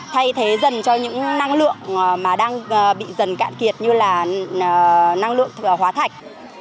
thay thế dần cho những năng lượng mà đang bị dần cạn kiệt như là năng lượng hóa thạch